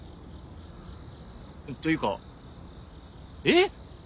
というかええっ！？